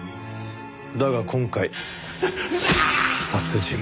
だが今回殺人まで。